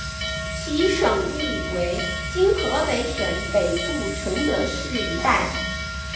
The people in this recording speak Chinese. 其省域为今河北省北部承德市一带。